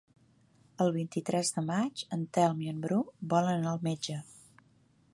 El vint-i-tres de maig en Telm i en Bru volen anar al metge.